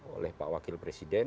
oleh pak wakil presiden